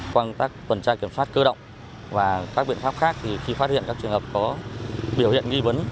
quang tác quần tra kiểm soát cơ động và các biện pháp khác thì khi phát hiện các trường hợp có biểu hiện nghi vấn